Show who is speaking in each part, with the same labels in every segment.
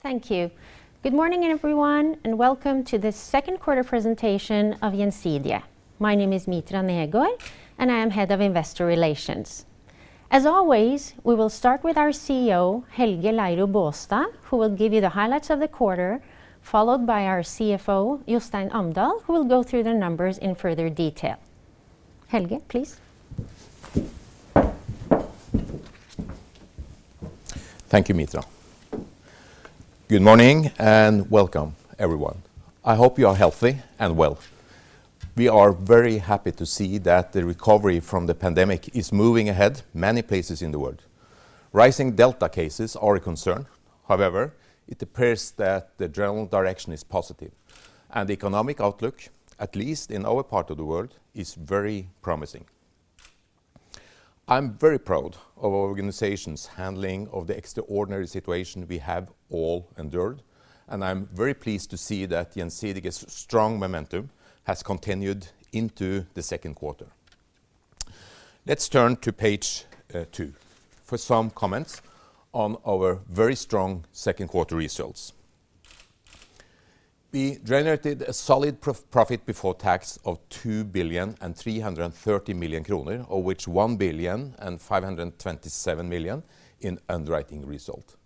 Speaker 1: Thank you. Good morning, everyone, and welcome to the second quarter presentation of Gjensidige. My name is Mitra Hagen Negård, and I am Head of Investor Relations. As always, we will start with our CEO, Helge Leiro Baastad, who will give you the highlights of the quarter, followed by our CFO, Jostein Amdal, who will go through the numbers in further detail. Helge, please.
Speaker 2: Thank you, Mitra. Good morning and welcome, everyone. I hope you are healthy and well. We are very happy to see that the recovery from the pandemic is moving ahead many places in the world. Rising Delta cases are a concern. It appears that the general direction is positive, and the economic outlook, at least in our part of the world, is very promising. I'm very proud of our organization's handling of the extraordinary situation we have all endured, and I'm very pleased to see that Gjensidige's strong momentum has continued into the second quarter. Let's turn to page two for some comments on our very strong second quarter results. We generated a solid profit before tax of 2 billion and 330 million, of which 1 billion and 527 million in underwriting result.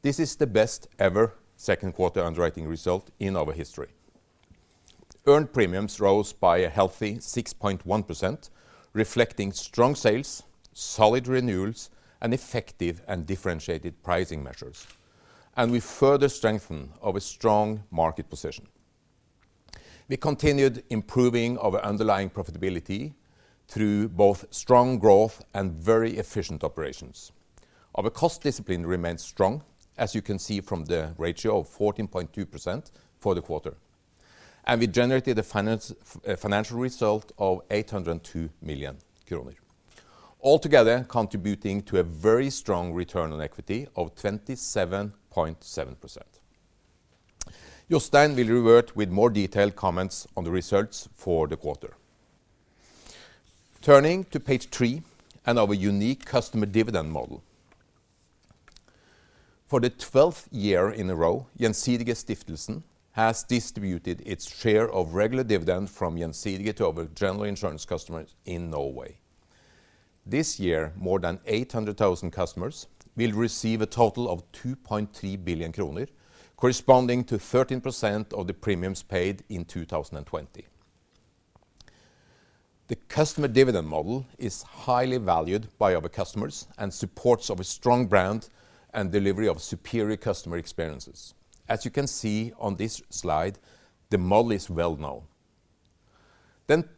Speaker 2: This is the best ever second quarter underwriting result in our history. Earned premiums rose by a healthy 6.1%, reflecting strong sales, solid renewals, and effective and differentiated pricing measures. We further strengthen our strong market position. We continued improving our underlying profitability through both strong growth and very efficient operations. Our cost discipline remains strong, as you can see from the ratio of 14.2% for the quarter, and we generated a financial result of 802 million kroner, altogether contributing to a very strong return on equity of 27.7%. Jostein will revert with more detailed comments on the results for the quarter. Turning to page 3 and our unique customer dividend model. For the 12th year in a row, Gjensidige Stiftelsen has distributed its share of regular dividend from Gjensidige to our general insurance customers in Norway. This year, more than 800,000 customers will receive a total of 2.3 billion kroner, corresponding to 13% of the premiums paid in 2020. The customer dividend model is highly valued by our customers and supports our strong brand and delivery of superior customer experiences. As you can see on this slide, the model is well-known.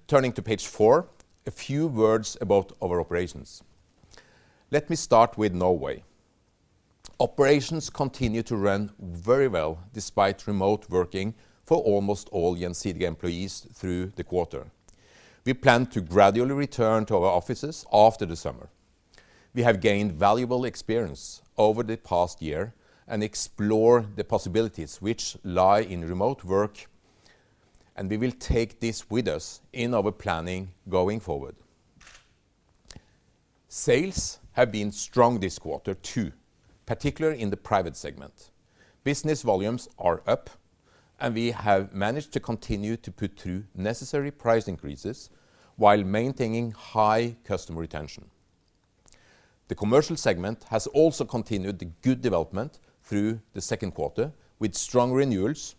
Speaker 2: Turning to page four, a few words about our operations. Let me start with Norway. Operations continue to run very well despite remote working for almost all Gjensidige employees through the quarter. We plan to gradually return to our offices after the summer. We have gained valuable experience over the past year and explore the possibilities which lie in remote work, and we will take this with us in our planning going forward. Sales have been strong this quarter, too, particularly in the private segment. Business volumes are up, and we have managed to continue to put through necessary price increases while maintaining high customer retention. The commercial segment has also continued the good development through the second quarter, with strong renewals,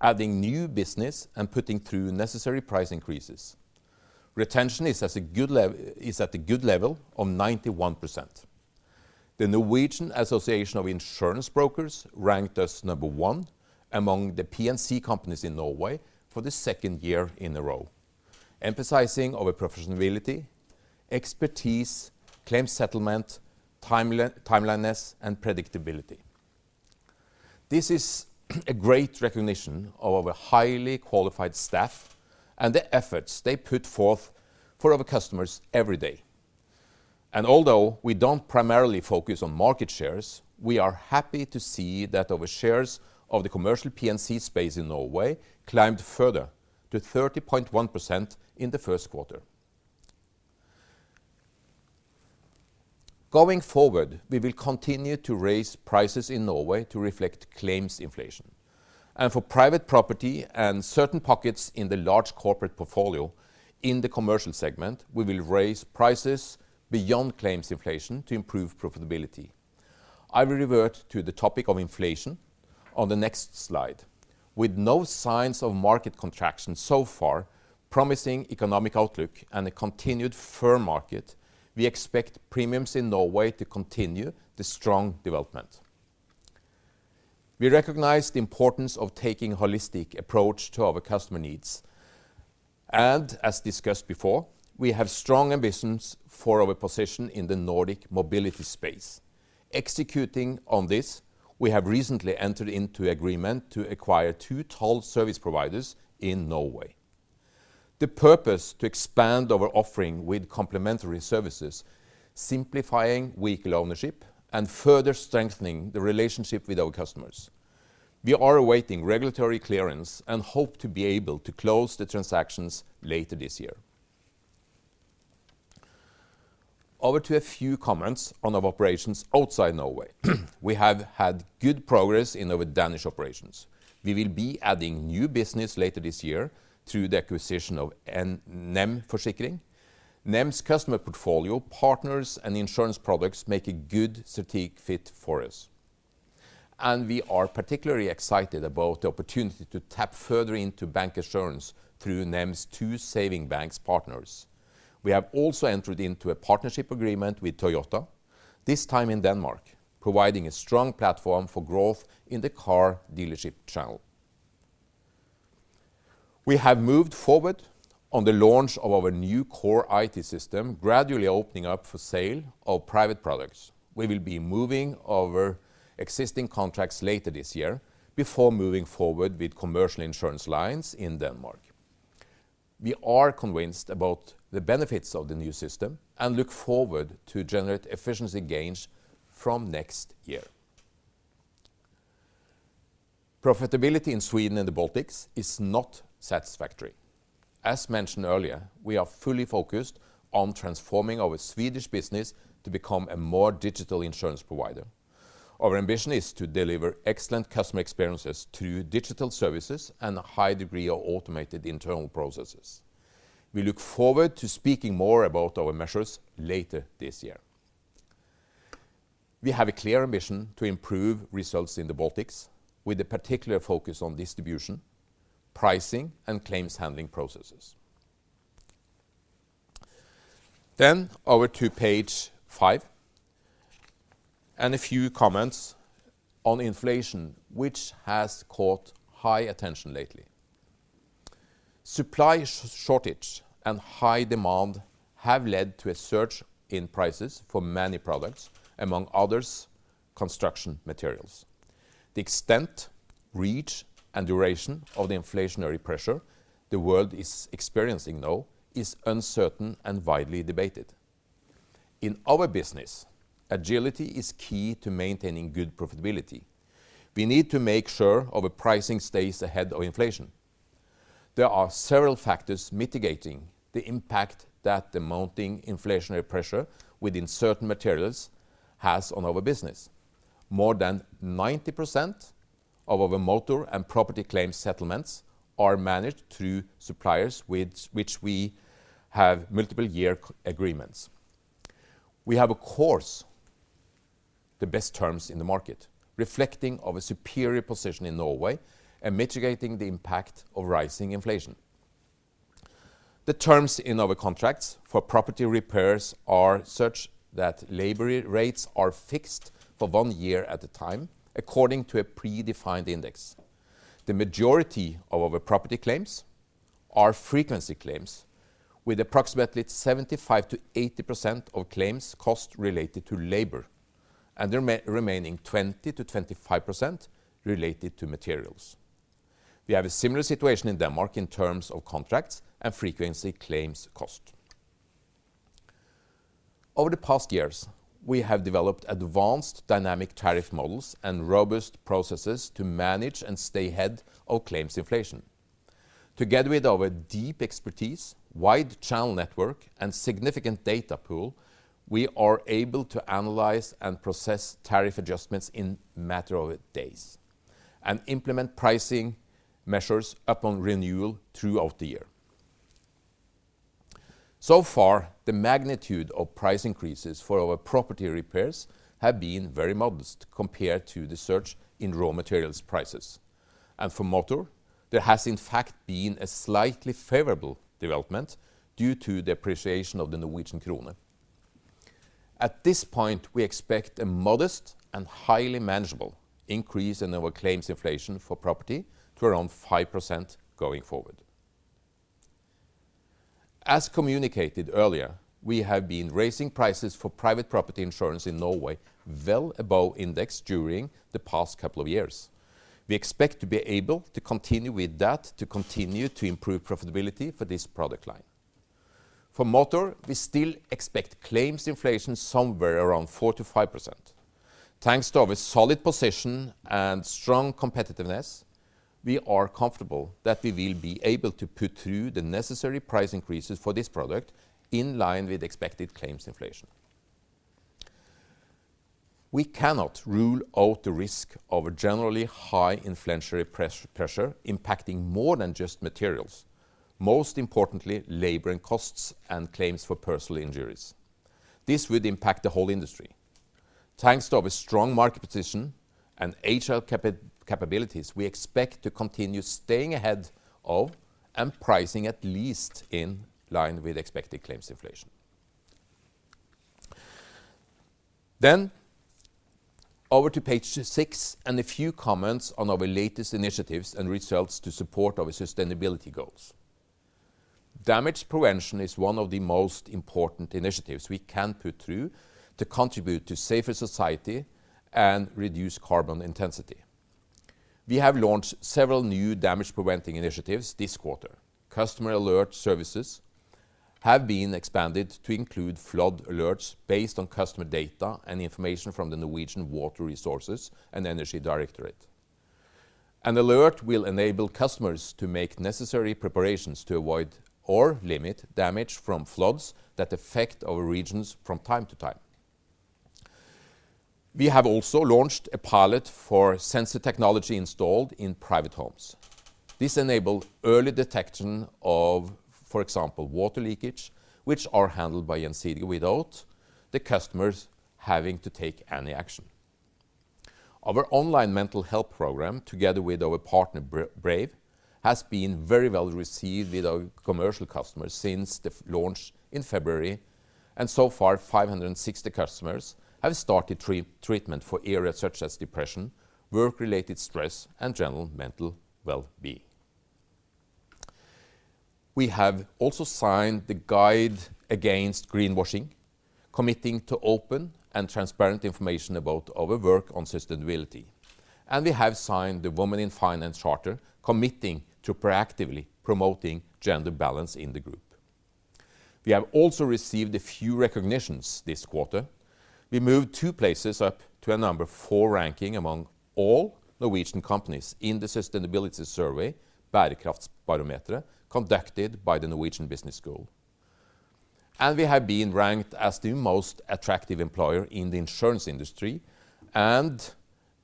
Speaker 2: adding new business, and putting through necessary price increases. Retention is at a good level of 91%. The Norwegian Association of Insurance Brokers ranked us number one among the P&C companies in Norway for the second year in a row, emphasizing our professional ability, expertise, claim settlement, timeliness, and predictability. This is a great recognition of our highly qualified staff and the efforts they put forth for our customers every day. Although we don't primarily focus on market shares, we are happy to see that our shares of the commercial P&C space in Norway climbed further, to 30.1% in the first quarter. Going forward, we will continue to raise prices in Norway to reflect claims inflation. For private property and certain pockets in the large corporate portfolio in the commercial segment, we will raise prices beyond claims inflation to improve profitability. I will revert to the topic of inflation on the next slide. With no signs of market contraction so far, promising economic outlook, and a continued firm market, we expect premiums in Norway to continue the strong development. We recognize the importance of taking holistic approach to our customer needs. As discussed before, we have strong ambitions for our position in the Nordic mobility space. Executing on this, we have recently entered into agreement to acquire two toll service providers in Norway. The purpose, to expand our offering with complementary services, simplifying vehicle ownership, and further strengthening the relationship with our customers. We are awaiting regulatory clearance and hope to be able to close the transactions later this year. Over to a few comments on our operations outside Norway. We have had good progress in our Danish operations. We will be adding new business later this year through the acquisition of NEM Forsikring. NEM's customer portfolio partners and insurance products make a good strategic fit for us, and we are particularly excited about the opportunity to tap further into bank insurance through NEM's two saving banks partners. We have also entered into a partnership agreement with Toyota, this time in Denmark, providing a strong platform for growth in the car dealership channel. We have moved forward on the launch of our new core IT system, gradually opening up for sale of private products. We will be moving over existing contracts later this year before moving forward with commercial insurance lines in Denmark. We are convinced about the benefits of the new system and look forward to generate efficiency gains from next year. Profitability in Sweden and the Baltics is not satisfactory. As mentioned earlier, we are fully focused on transforming our Swedish business to become a more digital insurance provider. Our ambition is to deliver excellent customer experiences through digital services and a high degree of automated internal processes. We look forward to speaking more about our measures later this year. We have a clear mission to improve results in the Baltics with a particular focus on distribution, pricing, and claims handling processes. Over to page five, and a few comments on inflation, which has caught high attention lately. Supply shortage and high demand have led to a surge in prices for many products, among others, construction materials. The extent, reach, and duration of the inflationary pressure the world is experiencing now is uncertain and widely debated. In our business, agility is key to maintaining good profitability. We need to make sure our pricing stays ahead of inflation. There are several factors mitigating the impact that the mounting inflationary pressure within certain materials has on our business. More than 90% of our motor and property claim settlements are managed through suppliers with which we have multiple-year agreements. We have, of course, the best terms in the market, reflecting our superior position in Norway and mitigating the impact of rising inflation. The terms in our contracts for property repairs are such that labor rates are fixed for one year at a time according to a predefined index. The majority of our property claims are frequency claims, with approximately 75%-80% of claims cost related to labor, and the remaining 20%-25% related to materials. We have a similar situation in Denmark in terms of contracts and frequency claims cost. Over the past years, we have developed advanced dynamic tariff models and robust processes to manage and stay ahead of claims inflation. Together with our deep expertise, wide channel network, and significant data pool, we are able to analyze and process tariff adjustments in a matter of days and implement pricing measures upon renewal throughout the year. So far, the magnitude of price increases for our property repairs have been very modest compared to the surge in raw materials prices. For motor, there has in fact been a slightly favorable development due to the appreciation of the Norwegian krone. At this point, we expect a modest and highly manageable increase in our claims inflation for property to around 5% going forward. As communicated earlier, we have been raising prices for private property insurance in Norway well above index during the past couple of years. We expect to be able to continue with that to continue to improve profitability for this product line. For motor, we still expect claims inflation somewhere around 4% to 5%. Thanks to our solid position and strong competitiveness, we are comfortable that we will be able to put through the necessary price increases for this product in line with expected claims inflation. We cannot rule out the risk of a generally high inflationary pressure impacting more than just materials, most importantly, labor costs and claims for personal injuries. This would impact the whole industry. Thanks to our strong market position and agile capabilities, we expect to continue staying ahead of and pricing at least in line with expected claims inflation. Over to page six and a few comments on our latest initiatives and results to support our sustainability goals. Damage prevention is one of the most important initiatives we can put through to contribute to safer society and reduce carbon intensity. We have launched several new damage preventing initiatives this quarter. Customer alert services have been expanded to include flood alerts based on customer data and information from the Norwegian Water Resources and Energy Directorate.
Speaker 3: An alert will enable customers to make necessary preparations to avoid or limit damage from floods that affect our regions from time to time. We have also launched a pilot for sensor technology installed in private homes. This enables early detection of, for example, water leakage, which is handled by Gjensidige without the customers having to take any action. Our online mental health program, together with our partner Braive, has been very well received with our commercial customers since the launch in February. So far, 560 customers have started treatment for areas such as depression, work-related stress, and general mental wellbeing. We have also signed the Guide Against Greenwashing, committing to open and transparent information about our work on sustainability. We have signed the Women in Finance Charter, committing to proactively promoting gender balance in the group. We have also received a few recognitions this quarter.
Speaker 2: We moved two places up to a number four ranking among all Norwegian companies in the sustainability survey, Bærekraftsbarometeret, conducted by the Norwegian Business School. We have been ranked as the most attractive employer in the insurance industry and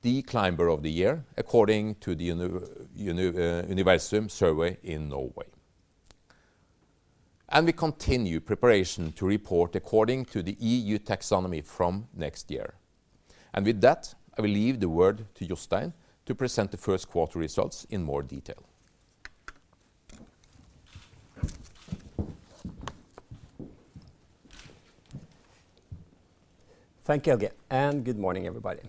Speaker 2: the climber of the year, according to the Universum survey in Norway. We continue preparation to report according to the EU taxonomy from next year. With that, I will leave the word to Jostein to present the first quarter results in more detail. Thank you, Helge, and good morning, everybody.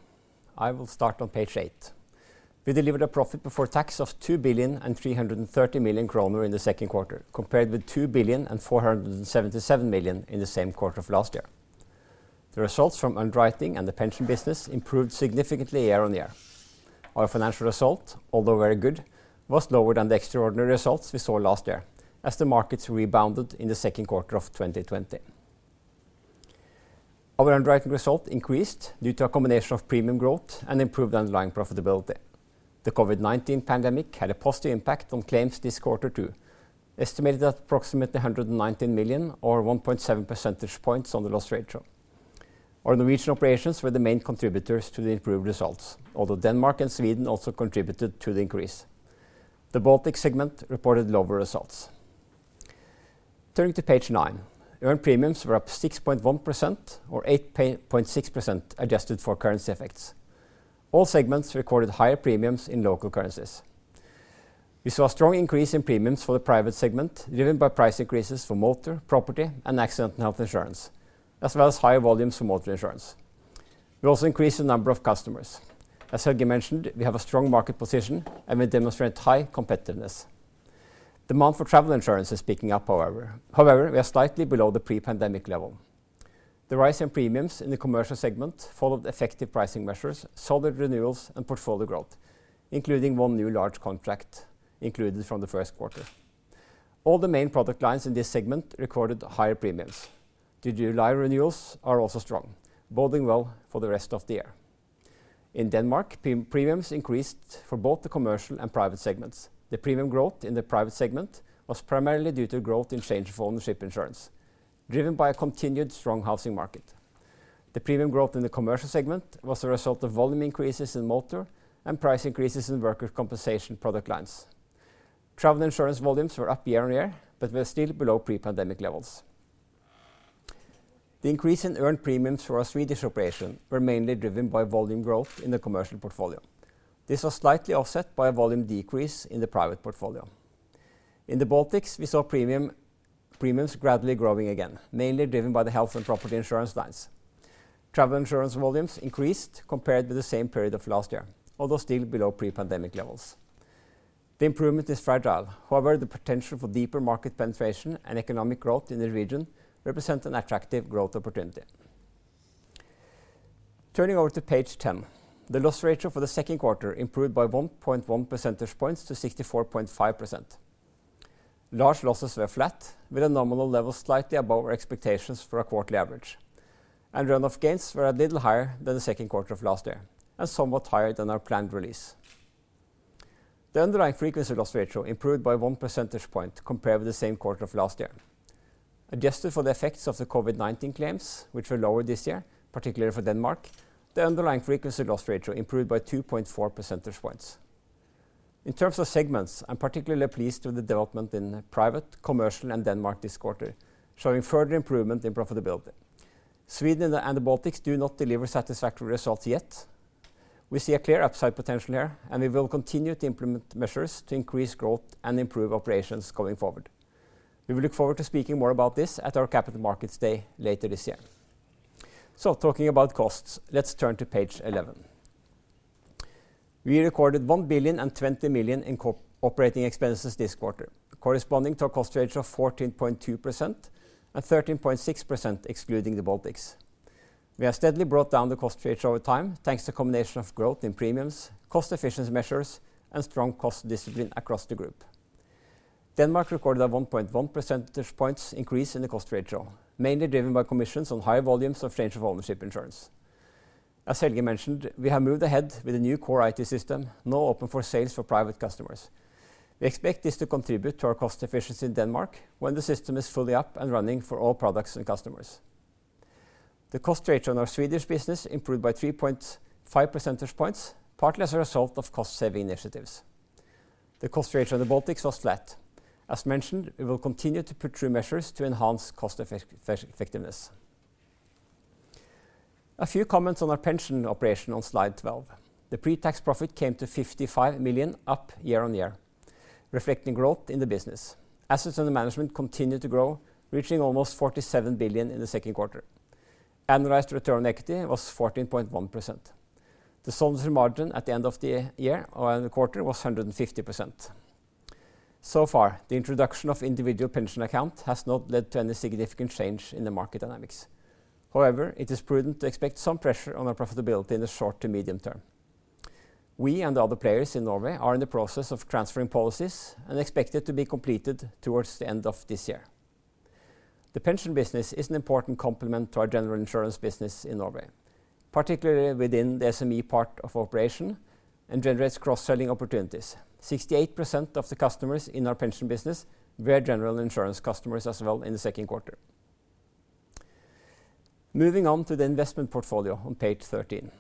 Speaker 2: I will start on page eight. We delivered a profit before tax of 2.33 billion in the second quarter, compared with 2.477 billion in the same quarter of last year. The results from underwriting and the pension business improved significantly year-over-year.
Speaker 3: Our financial result, although very good, was lower than the extraordinary results we saw last year, as the markets rebounded in the second quarter of 2020. Our underwriting result increased due to a combination of premium growth and improved underlying profitability. The COVID-19 pandemic had a positive impact on claims this quarter, too, estimated at approximately 119 million, or 1.7 percentage points on the loss ratio. Our Norwegian operations were the main contributors to the improved results, although Denmark and Sweden also contributed to the increase. The Baltic segment reported lower results. Turning to page nine. Earned premiums were up 6.1%, or 8.6% adjusted for currency effects. All segments recorded higher premiums in local currencies. We saw a strong increase in premiums for the private segment, driven by price increases for motor, property, and accident and health insurance, as well as higher volumes for motor insurance. We also increased the number of customers. As Helge mentioned, we have a strong market position, and we demonstrate high competitiveness. Demand for travel insurance is picking up, however. However, we are slightly below the pre-pandemic level. The rise in premiums in the commercial segment followed effective pricing measures, solid renewals, and portfolio growth, including one new large contract included from the first quarter. All the main product lines in this segment recorded higher premiums. The year-on-year renewals are also strong, boding well for the rest of the year. In Denmark, premiums increased for both the commercial and private segments. The premium growth in the private segment was primarily due to growth in comprehensive ownership insurance, driven by a continued strong housing market. The premium growth in the commercial segment was a result of volume increases in motor and price increases in workers' compensation product lines. Travel insurance volumes were up year-over-year, but we're still below pre-pandemic levels. The increase in earned premiums for our Swedish operation were mainly driven by volume growth in the commercial portfolio. This was slightly offset by a volume decrease in the private portfolio. In the Baltics, we saw premiums gradually growing again, mainly driven by the health and property insurance lines. Travel insurance volumes increased compared to the same period of last year, although still below pre-pandemic levels. The improvement is fragile. However, the potential for deeper market penetration and economic growth in the region represent an attractive growth opportunity. Turning over to page 10. The loss ratio for the second quarter improved by 1.1 percentage points to 64.5%. Large losses were flat, with a nominal level slightly above our expectations for a quarterly average. Run-off gains were a little higher than the 2nd quarter of last year and somewhat higher than our planned release. The underlying frequency loss ratio improved by one percentage point compared with the same quarter of last year. Adjusted for the effects of the COVID-19 claims, which were lower this year, particularly for Denmark, the underlying frequency loss ratio improved by 2.4 percentage points. In terms of segments, I'm particularly pleased with the development in the private, commercial, and Denmark this quarter, showing further improvement in profitability. Sweden and the Baltics do not deliver satisfactory results yet. We see a clear upside potential there, and we will continue to implement measures to increase growth and improve operations going forward. We look forward to speaking more about this at our Capital Markets Day later this year. Talking about costs, let's turn to page 11. We recorded 1,020 million in operating expenses this quarter, corresponding to a cost ratio of 14.2% and 13.6% excluding the Baltics. We have steadily brought down the cost ratio over time, thanks to a combination of growth in premiums, cost efficiency measures, and strong cost discipline across the group. Denmark recorded a 1.1 percentage points increase in the cost ratio, mainly driven by commissions on high volumes of change of ownership insurance. As Helge mentioned, we have moved ahead with a new core IT system now open for sales for private customers. We expect this to contribute to our cost efficiency in Denmark when the system is fully up and running for all products and customers. The cost ratio in our Swedish business improved by 3.5 percentage points, partly as a result of cost-saving initiatives. The cost ratio of the Baltics was flat. As mentioned, we will continue to put through measures to enhance cost effectiveness. A few comments on our pension operation on slide 12. The pre-tax profit came to 55 million, up year-over-year, reflecting growth in the business. Assets under management continued to grow, reaching almost 47 billion in the second quarter. Annualized return on equity was 14.1%. The solvency margin at the end of the year, or quarter, was 150%. So far, the introduction of individual pension account has not led to any significant change in the market dynamics. It is prudent to expect some pressure on our profitability in the short to medium term. We and other players in Norway are in the process of transferring policies and expect it to be completed towards the end of this year. The pension business is an important complement to our general insurance business in Norway, particularly within the SME part of operation, and generates cross-selling opportunities. 68% of the customers in our pension business were general insurance customers as well in the second quarter. Moving on to the investment portfolio on page 13.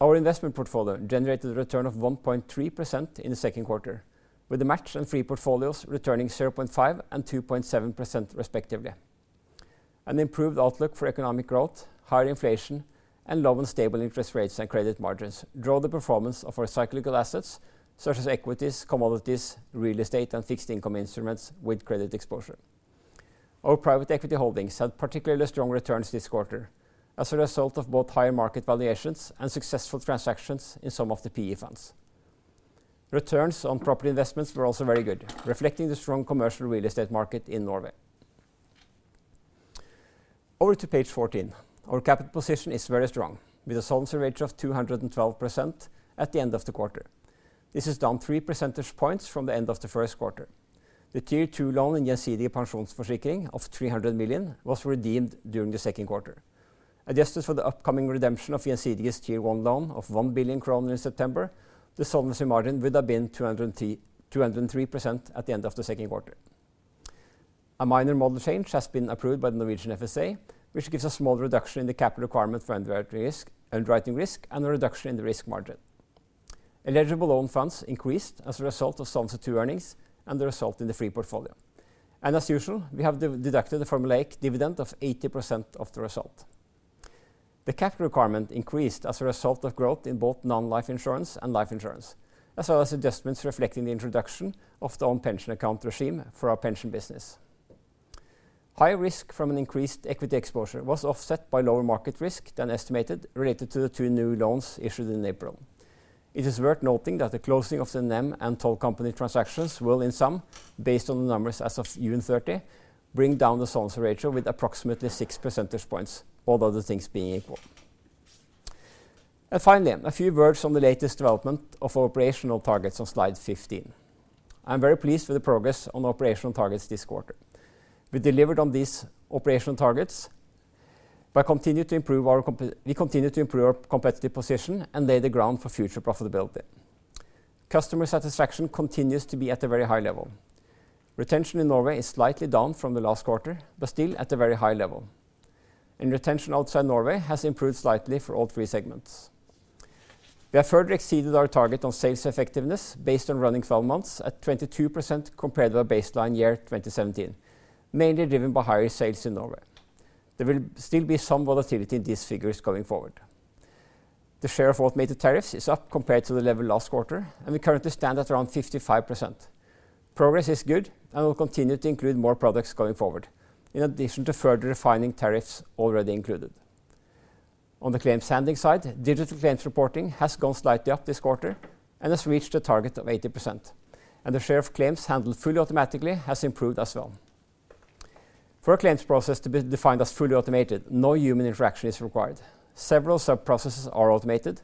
Speaker 3: Our investment portfolio generated a return of 1.3% in the second quarter, with the matched and fee portfolios returning 0.5 and 2.7%, respectively. An improved outlook for economic growth, higher inflation, and low and stable interest rates and credit margins drove the performance of our cyclical assets, such as equities, commodities, real estate, and fixed income instruments with credit exposure. Our private equity holdings had particularly strong returns this quarter as a result of both higher market valuations and successful transactions in some of the PE funds. Returns on property investments were also very good, reflecting the strong commercial real estate market in Norway. Over to page 14. Our capital position is very strong, with a solvency ratio of 212% at the end of the quarter. This is down three percentage points from the end of the first quarter. The Tier 2 loan in Gjensidige Pensjonsforsikring of 300 million was redeemed during the second quarter. Adjusted for the upcoming redemption of Gjensidige's Tier 1 loan of 1 billion kroner in September, the solvency margin would have been 203% at the end of the second quarter. A minor model change has been approved by the Norwegian FSA, which gives a small reduction in the capital requirement for underwriting risk, and a reduction in the risk margin. Eligible loan funds increased as a result of Solvency II earnings and the result in the fee portfolio. As usual, we have deducted the formulaic dividend of 80% of the result. The capital requirement increased as a result of growth in both non-life insurance and life insurance, as well as adjustments reflecting the introduction of the own pension account regime for our pension business. High risk from an increased equity exposure was offset by lower market risk than estimated related to the two new loans issued in April. It is worth noting that the closing of the NEM and Toll Company transactions will, in sum, based on the numbers as of June 30, bring down the solvency ratio with approximately six percentage points, all other things being equal. Finally, a few words on the latest development of operational targets on slide 15. I am very pleased with the progress on operational targets this quarter. We delivered on these operational targets by continuing to improve our competitive position and lay the ground for future profitability. Customer satisfaction continues to be at a very high level. Retention in Norway is slightly down from the last quarter, but still at a very high level, and retention outside Norway has improved slightly for all three segments. We have further exceeded our target on sales effectiveness based on running 12 months at 22% compared to our baseline year 2017, mainly driven by higher sales in Norway. There will still be some volatility in these figures going forward. The share of automated tariffs is up compared to the level last quarter and we currently stand at around 55%. Progress is good and we will continue to include more products going forward, in addition to further refining tariffs already included. On the claims handling side, digital claims reporting has gone slightly up this quarter and has reached a target of 80%, and the share of claims handled fully automatically has improved as well. For a claims process to be defined as fully automated, no human interaction is required. Several subprocesses are automated,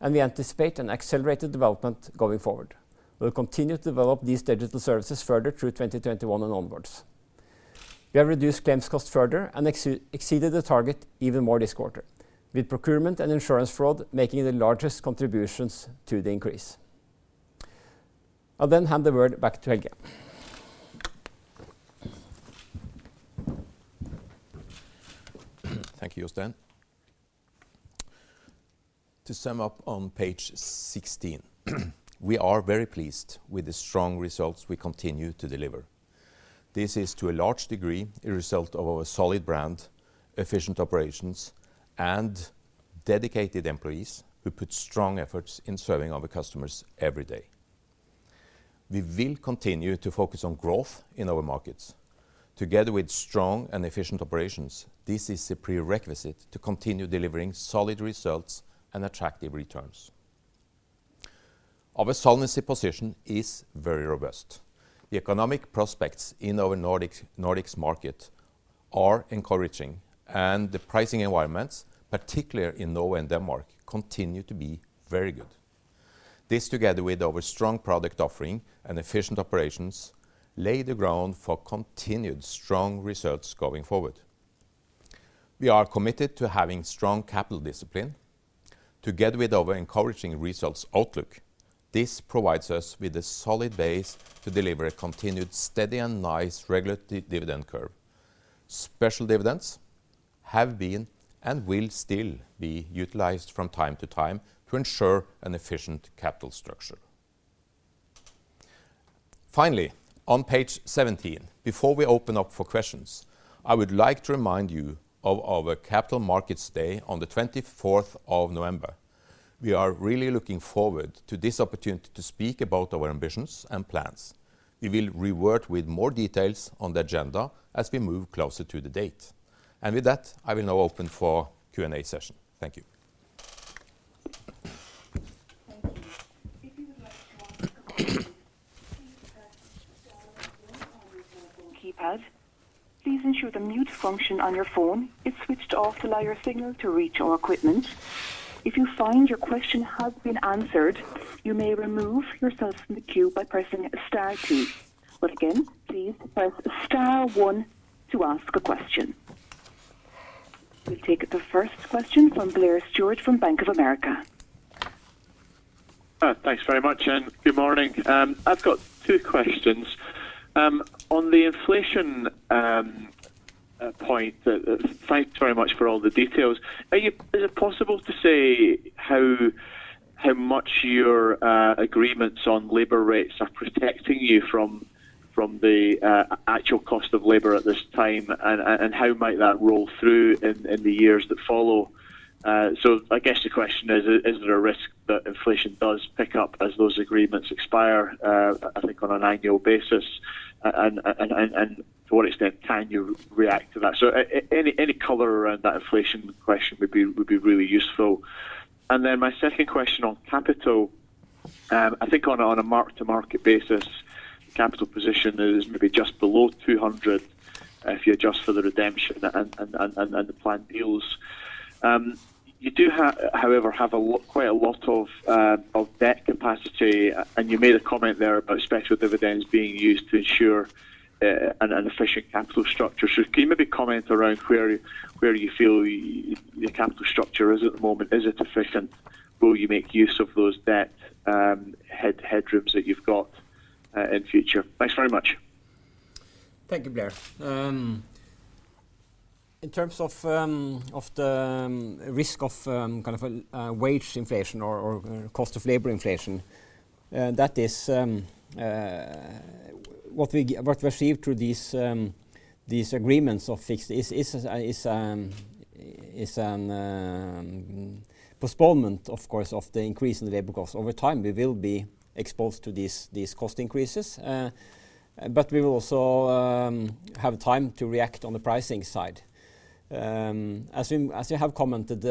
Speaker 3: and we anticipate an accelerated development going forward. We'll continue to develop these digital services further through 2021 and onwards. We have reduced claims costs further and exceeded the target even more this quarter, with procurement and insurance fraud making the largest contributions to the increase. I'll hand the word back to Helge.
Speaker 2: Thank you, Jostein. To sum up on page 16, we are very pleased with the strong results we continue to deliver. This is to a large degree the result of our solid brand, efficient operations, and dedicated employees who put strong efforts in serving our customers every day. We will continue to focus on growth in our markets. Together with strong and efficient operations, this is a prerequisite to continue delivering solid results and attractive returns. Our solvency position is very robust. The economic prospects in our Nordics market.
Speaker 3: are encouraging, and the pricing environments, particularly in Norway and Denmark, continue to be very good. This, together with our strong product offering and efficient operations, lay the ground for continued strong results going forward. We are committed to having strong capital discipline. Together with our encouraging results outlook, this provides us with a solid base to deliver a continued steady and nice regulatory dividend curve. Special dividends have been and will still be utilized from time to time to ensure an efficient capital structure. Finally, on page 17, before we open up for questions, I would like to remind you of our Capital Markets Day on the 24th of November. We are really looking forward to this opportunity to speak about our ambitions and plans. We will revert with more details on the agenda as we move closer to the date. With that, I will now open for Q&A session. Thank you.
Speaker 4: Thank you. We take the first question from Blair Stewart from Bank of America.
Speaker 5: Thanks very much, and good morning. I've got two questions. On the inflation point, thanks very much for all the details. Is it possible to say how much your agreements on labor rates are protecting you from the actual cost of labor at this time, and how might that roll through in the years that follow? I guess the question is there a risk that inflation does pick up as those agreements expire, I think on an annual basis? To what extent can you react to that? Any color around that inflation question would be really useful. My second question on capital. I think on a mark-to-market basis, capital position is maybe just below 200 if you adjust for the redemption and the planned deals. You do however, have quite a lot of debt capacity, and you made a comment there about special dividends being used to ensure an efficient capital structure. Can you maybe comment around where you feel the capital structure is at the moment? Is it sufficient? Will you make use of those debt headrooms that you've got in future? Thanks very much.
Speaker 3: Thank you, Blair. In terms of the risk of wage inflation or cost of labor inflation, what we receive through these agreements of fixed is a postponement, of course, of the increase in labor cost. Over time, we will be exposed to these cost increases. We will also have time to react on the pricing side. As you have commented,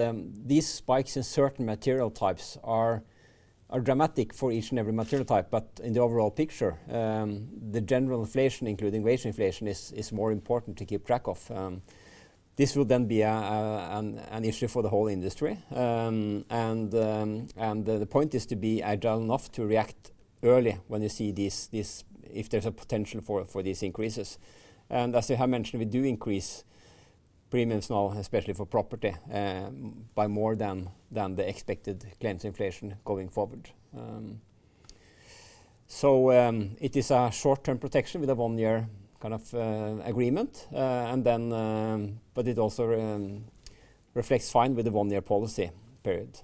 Speaker 3: these spikes in certain material types are dramatic for each and every material type, but in the overall picture, the general inflation, including wage inflation, is more important to keep track of. This will then be an issue for the whole industry. The point is to be agile enough to react early if there's a potential for these increases. As I have mentioned, we do increase premiums now, especially for property, by more than the expected claims inflation going forward. It is a short-term protection with a one-year kind of agreement. It also reflects fine with the one-year policy period.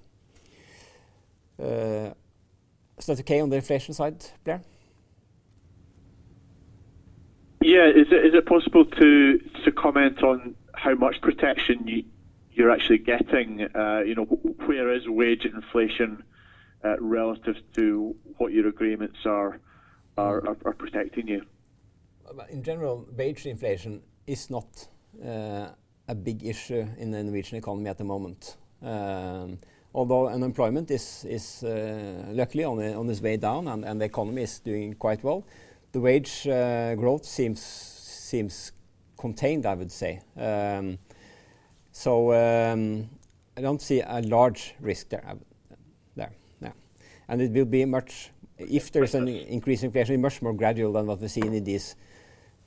Speaker 3: Is that okay on the inflation side, Blair?
Speaker 5: Yeah. Is it possible to comment on how much protection you're actually getting? Where is wage inflation relative to what your agreements are protecting you?
Speaker 3: In general, wage inflation is not a big issue in the Norwegian economy at the moment. Although unemployment is luckily on its way down, and the economy is doing quite well, the wage growth seems contained, I would say. I don't see a large risk there. Yeah. If there's any increase, it will be much more gradual than what we've seen in these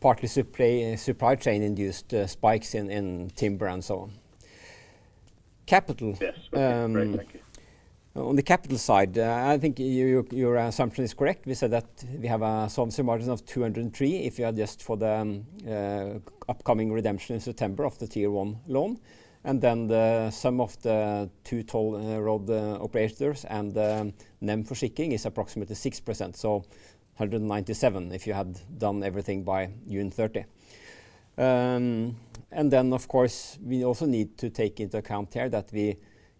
Speaker 3: partly supply chain-induced spikes in timber and so on. Capital.
Speaker 5: Yes. Exactly.
Speaker 3: On the capital side, I think your assumption is correct. We said that we have a solvency margin of 203 if you adjust for the upcoming redemption in September of the Tier 1 loan, and then the sum of the two toll road operators and then for shipping is approximately 6%. 197, if you had done everything by June 30. Of course, we also need to take into account here that we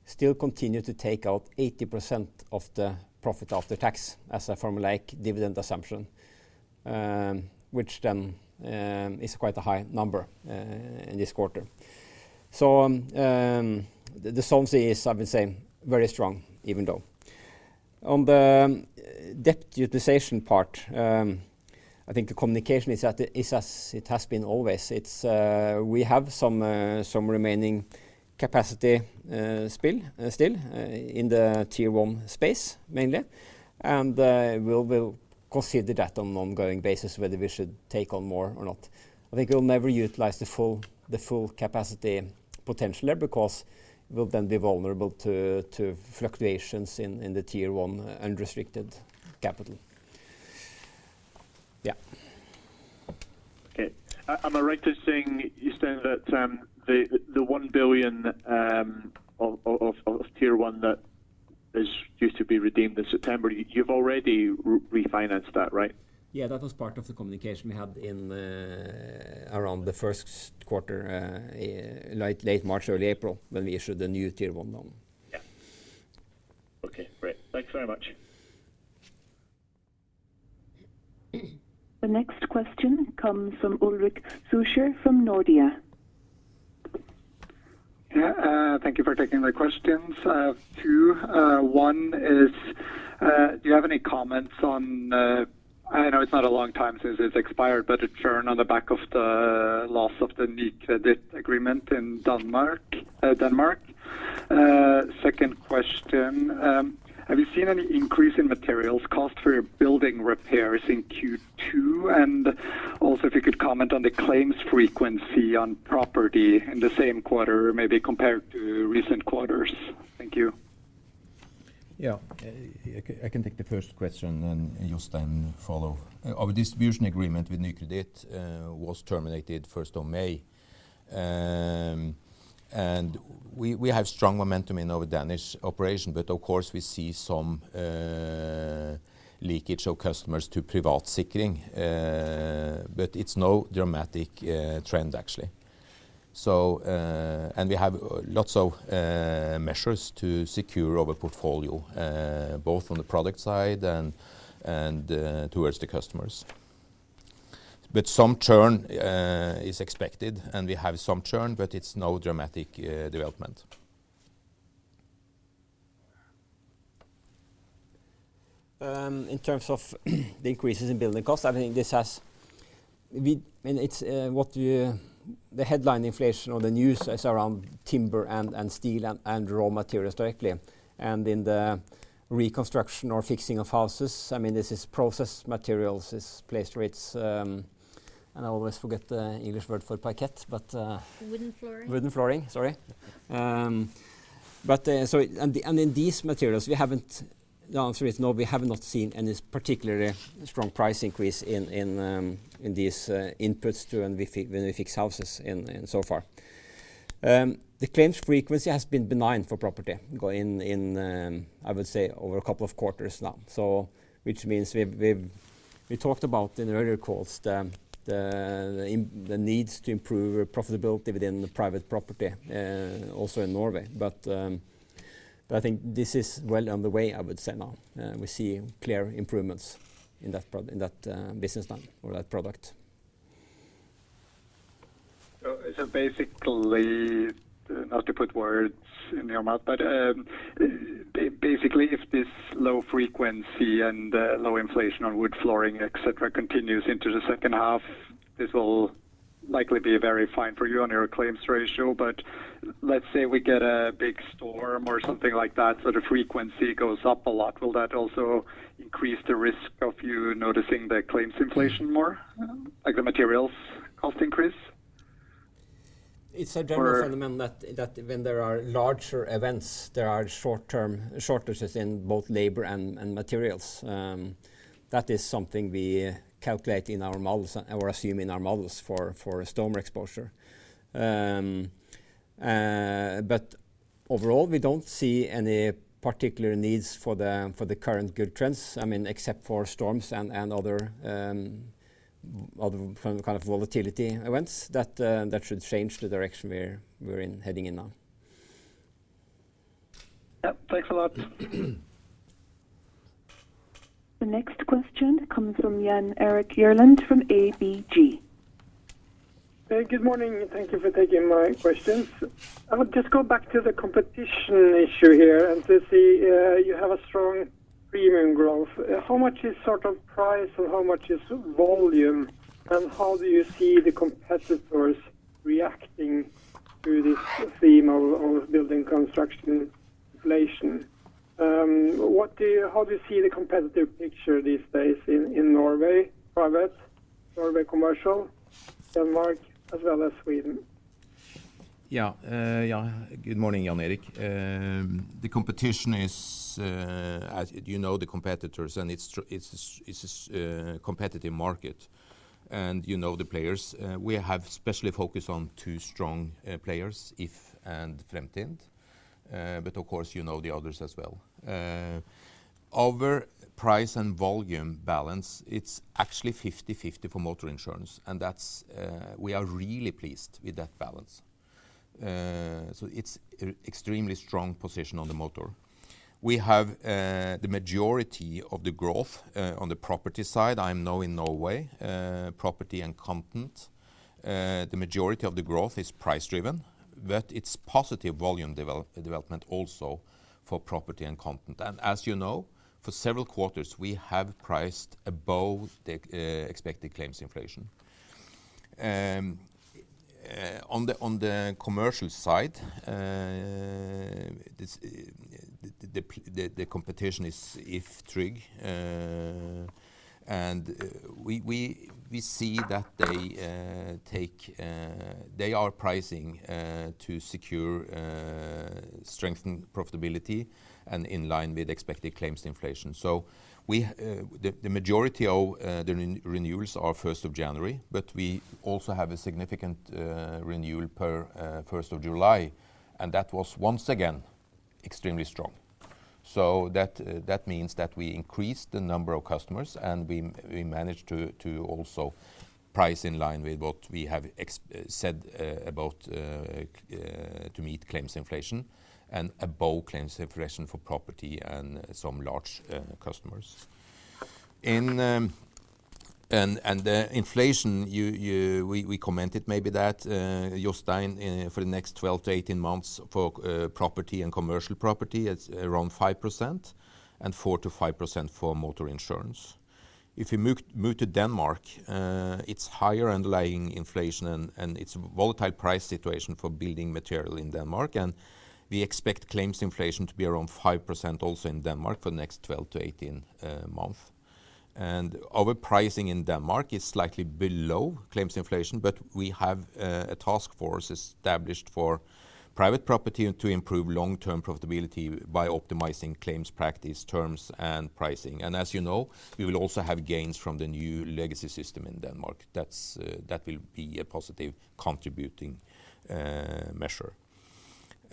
Speaker 3: still continue to take out 80% of the profit after tax as a formulaic dividend assumption, which then is quite a high number in this quarter. The solvency is, I would say, very strong even though. On the debt utilization part, I think the communication is as it has been always. We have some remaining capacity still in the Tier 1 space mainly, and we will consider that on an ongoing basis whether we should take on more or not. I think we'll never utilize the full capacity potentially, because we'll then be vulnerable to fluctuations in the Tier 1 unrestricted capital. Yeah.
Speaker 5: Okay. Am I right in saying you said that the 1 billion of Tier 1 that is due to be redeemed this September, you've already refinanced that, right?
Speaker 3: Yeah, that was part of the communication we had around the first quarter, late March, early April, when we issued the new Tier 1 note.
Speaker 5: Yeah. Okay, great. Thanks very much.
Speaker 4: The next question comes from Ulrik Zürcher from Nordea.
Speaker 6: Thank you for taking the questions. I have two. One is, do you have any comments on, I know it's not a long time since it's expired, but the turn on the back of the loss of the Nykredit agreement in Denmark? Second question, have you seen any increase in materials cost for your building repairs in Q2? Also, if you could comment on the claims frequency on property in the same quarter, maybe compared to recent quarters. Thank you.
Speaker 3: Yeah. I can take the 1st question and Jostein follow. Our distribution agreement with Nykredit was terminated the 1st of May. We have strong momentum in our Danish operation, but of course, we see some leakage of customers to Privatsikring, but it's no dramatic trend, actually. We have lots of measures to secure our portfolio, both on the product side and towards the customers. Some churn is expected, and we have some churn, but it's no dramatic development. In terms of the increases in building cost, the headline inflation or the news is around timber and steel and raw materials directly. In the reconstruction or fixing of houses, this is processed materials. This is placed rates. I always forget the English word for parkett. Wooden flooring wooden flooring, sorry. In these materials, the answer is no, we have not seen any particularly strong price increase in these inputs when we fix houses so far. The claims frequency has been benign for property, I would say, over a couple of quarters now. We talked about in earlier calls the needs to improve profitability within the private property, also in Norway. I think this is well on the way, I would say now. We see clear improvements in that business line or that product.
Speaker 6: Basically, not to put words in your mouth, basically if this low frequency and low inflation on wood flooring, et cetera, continues into the second half, this will likely be very fine for you on your claims ratio. Let's say we get a big storm or something like that, the frequency goes up a lot. Will that also increase the risk of you noticing the claims inflation more, like the materials cost increase?
Speaker 3: It's a general phenomenon that when there are larger events, there are short-term shortages in both labor and materials. That is something we calculate in our models or assume in our models for storm exposure. Overall, we don't see any particular needs for the current good trends, except for storms and other kind of volatility events that should change the direction we're heading in now.
Speaker 6: Yeah. Thanks a lot.
Speaker 4: The next question comes from Jan Erik Gjerland from ABG.
Speaker 7: Good morning. Thank you for taking my questions. I would just go back to the competition issue here, and to see you have a strong premium growth. How much is sort of price and how much is volume, and how do you see the competitors reacting to this theme of building construction inflation? How do you see the competitive picture these days in Norway Private, Norway Commercial, Denmark, as well as Sweden?
Speaker 3: Yeah. Good morning, Jan Erik. The competition is, as you know the competitors, and it's a competitive market. You know the players. We have especially focused on two strong players, If and Fremtind, but of course, you know the others as well. Our price and volume balance, it's actually 50/50 for motor insurance, and we are really pleased with that balance. It's extremely strong position on the motor. We have the majority of the growth on the property side, I know in Norway, property and content. The majority of the growth is price driven.
Speaker 2: That it's positive volume development also for property and content. As you know, for several quarters, we have priced above the expected claims inflation. On the commercial side, the competition is If, Tryg, and we see that they are pricing to secure strengthened profitability and in line with expected claims inflation. The majority of the renewals are 1st of January, but we also have a significant renewal per 1st of July, and that was once again extremely strong. That means that we increased the number of customers, and we managed to also price in line with what we have said about to meet claims inflation and above claims inflation for property and some large customers. The inflation, we commented maybe that, Jostein Amdal, for the next 12 to 18 months for property and commercial property, it's around 5% and 4%-5% for motor insurance. If you move to Denmark, it's higher underlying inflation. It's a volatile price situation for building material in Denmark. We expect claims inflation to be around 5% also in Denmark for the next 12 to 18 month. Our pricing in Denmark is slightly below claims inflation. We have a task force established for private property to improve long-term profitability by optimizing claims practice terms and pricing. As you know, we will also have gains from the new legacy system in Denmark. That will be a positive contributing measure.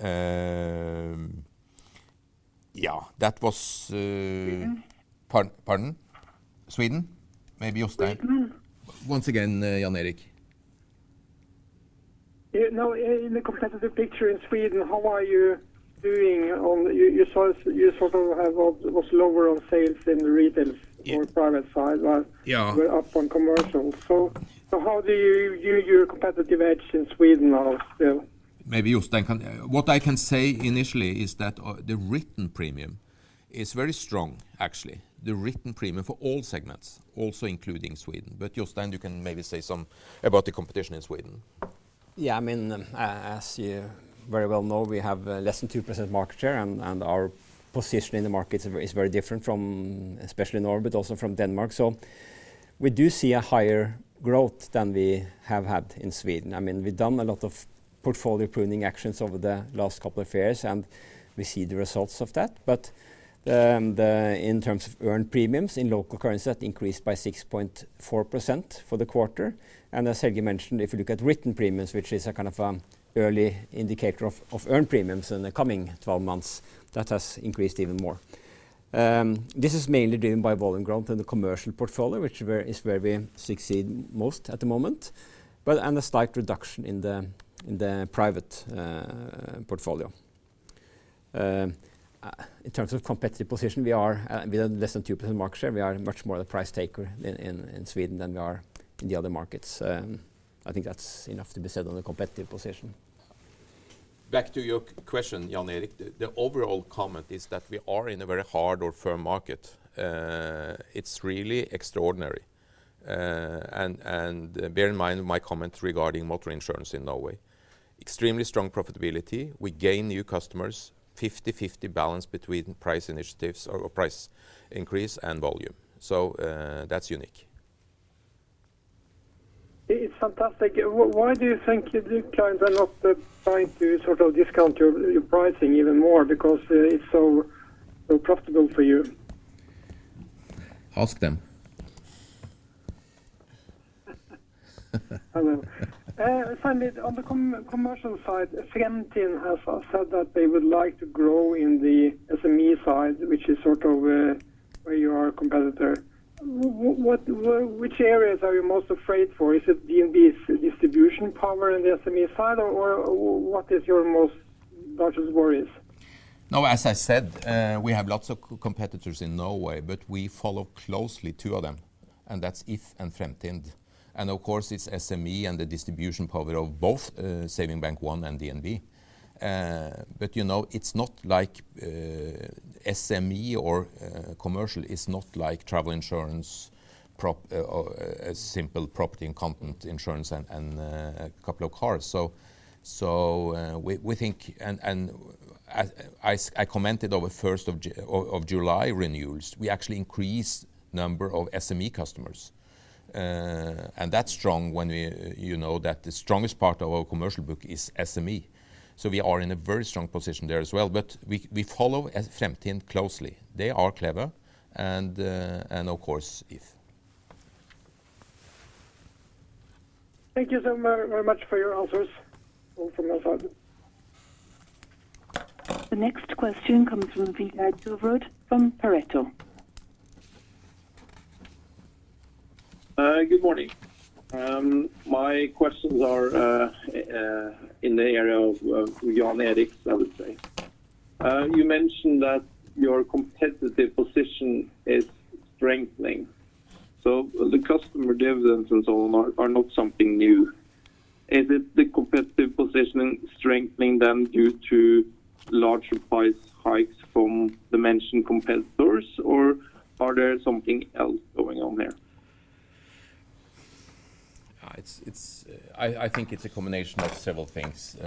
Speaker 2: Yeah.
Speaker 7: Sweden.
Speaker 2: Pardon? Sweden, maybe Jostein. Once again, Jan Erik.
Speaker 7: In the competitive picture in Sweden, how are you doing? You sort of have almost lower on sales in the retails or private side, right?
Speaker 2: Yeah.
Speaker 7: Up on commercial. How do you view your competitive edge in Sweden now still?
Speaker 2: What I can say initially is that the written premium is very strong, actually. The written premium for all segments, also including Sweden. Jostein, you can maybe say some about the competition in Sweden.
Speaker 3: Yeah, as you very well know, we have less than 2% market share, and our position in the market is very different from especially Norway, but also from Denmark. We do see a higher growth than we have had in Sweden. We've done a lot of portfolio pruning actions over the last couple of years, and we see the results of that. In terms of earned premiums in local currency, that increased by 6.4% for the quarter. As Vegard mentioned, if you look at written premiums, which is a kind of early indicator of earned premiums in the coming 12 months, that has increased even more. This is mainly driven by volume growth in the commercial portfolio, which is where we succeed most at the moment, and a slight reduction in the private portfolio. In terms of competitive position, we are less than 2% market share. We are much more a price taker in Sweden than we are in the other markets. I think that is enough to be said on the competitive position.
Speaker 2: Back to your question, Jan Erik. The overall comment is that we are in a very hard or firm market. It's really extraordinary. Bear in mind my comment regarding motor insurance in Norway. Extremely strong profitability. We gain new customers 50/50 balance between price initiatives or price increase and volume. That's unique.
Speaker 7: Fantastic. Why do you think the competitors are not trying to sort of discount your pricing even more because it's so profitable for you?
Speaker 2: Ask him.
Speaker 7: Hello. Vegard, on the commercial side, Fremtind has said that they would like to grow in the SME side, which is sort of where you are a competitor. Which areas are you most afraid for? Is it DNB's distribution power in the SME side, or what is your largest worries?
Speaker 2: No, as I said, we have lots of competitors in Norway, but we follow closely two of them, and that's If and Fremtind. Of course, it's SME and the distribution power of both, SpareBank 1 and DNB. It's not like SME or commercial. It's not like travel insurance, a simple property and content insurance, and a couple of cars. I commented on the 1st of July renewals. We actually increased the number of SME customers. That's strong when you know that the strongest part of our commercial book is SME. We are in a very strong position there as well, but we follow Fremtind closely. They are clever, and of course, If.
Speaker 7: Thank you so very much for your answers. All from my side.
Speaker 4: The next question comes from Peter Dervoid from Pareto.
Speaker 8: Good morning. My questions are in the area of Jan Erik's, I would say. You mentioned that your competitive position is strengthening. The customer dividends and so on are not something new. Is it the competitive position strengthening them due to larger price hikes from the mentioned competitors, or are there something else going on there?
Speaker 2: I think it's a combination of several things.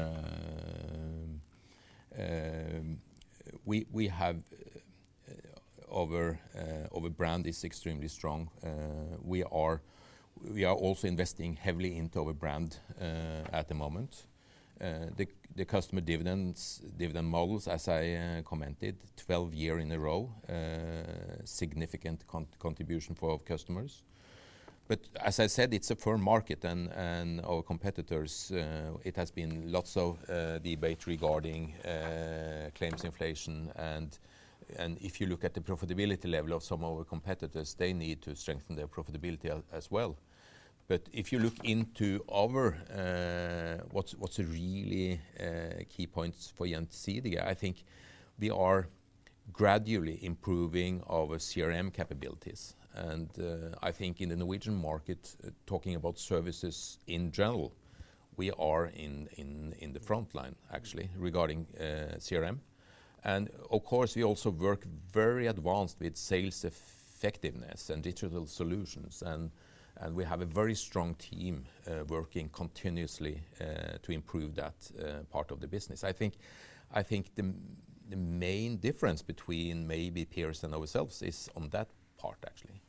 Speaker 2: Our brand is extremely strong. We are also investing heavily into our brand at the moment. The customer dividend models, as I commented, 12 year in a row, significant contribution for our customers. As I said, it's a firm market and our competitors, it has been lots of debate regarding claims inflation and if you look at the profitability level of some of our competitors, they need to strengthen their profitability as well. If you look into our what's really key points for Gjensidige, I think we are gradually improving our CRM capabilities. I think in the Norwegian market, talking about services in general, we are in the frontline actually regarding CRM. Of course, we also work very advanced with sales effectiveness and digital solutions, and we have a very strong team working continuously to improve that part of the business. I think the main difference between maybe peers and ourselves is on that part, actually.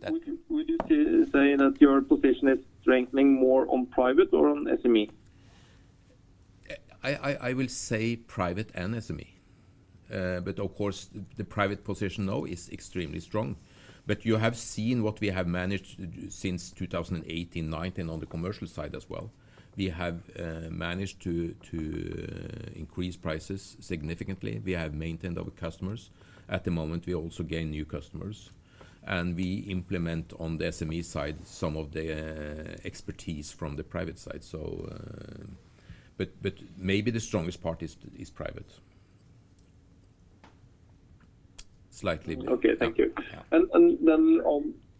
Speaker 2: Yeah.
Speaker 8: Would you say that your position is strengthening more on private or on SME?
Speaker 2: I would say private and SME. Of course, the private position now is extremely strong. You have seen what we have managed to do since 2018, 2019 on the commercial side as well. We have managed to increase prices significantly. We have maintained our customers. At the moment, we also gain new customers, and we implement on the SME side, some of the expertise from the private side. Maybe the strongest part is private. Slightly.
Speaker 8: Okay. Thank you.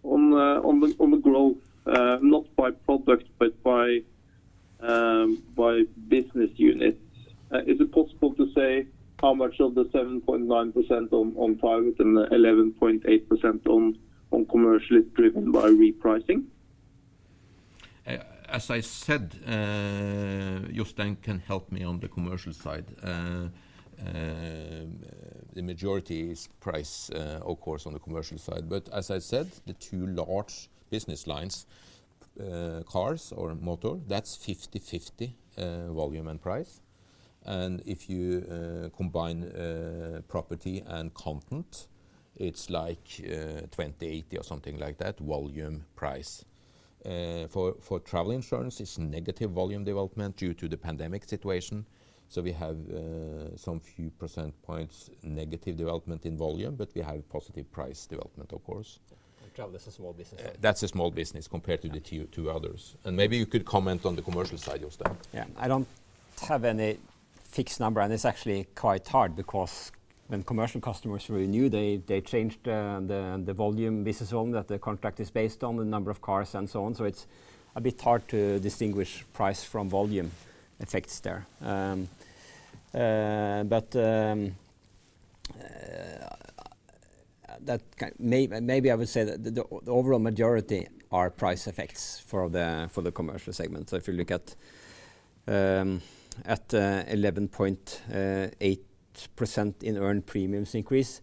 Speaker 8: On the growth, not by product but by business unit, is it possible to say how much of the 7.9% on private and the 11.8% on commercial is driven by repricing?
Speaker 2: I said, Jostein can help me on the commercial side. The majority is price, of course, on the commercial side. I said, the 2 large business lines, cars or motor, that's 50/50 volume and price. If you combine property and content, it's like 20/80 or something like that, volume price. For travel insurance, it's a negative volume development due to the pandemic situation. We have some few percentage points negative development in volume, but we have positive price development, of course.
Speaker 8: Travel is a small business.
Speaker 2: That's a small business compared to the two others. Maybe you could comment on the commercial side of that.
Speaker 3: I don't have any fixed number, and it's actually quite hard because when commercial customers renew, they change the volume business zone that the contract is based on, the number of cars and so on. It's a bit hard to distinguish price from volume effects there. Maybe I would say that the overall majority are price effects for the commercial segment. If you look at 11.8% in earned premiums increase,